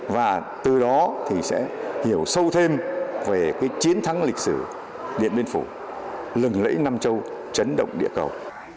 và từ đó thì sẽ hiểu sâu thêm về cái chiến thắng lịch sử điện biên phủ lừng lẫy nam châu chấn động địa cầu